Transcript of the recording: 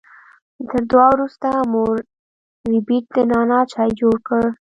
تر دعا وروسته مور ربیټ د نعنا چای جوړ کړ